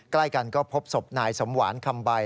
ใกล้กันก็พบศพนายสมหวานคำใบ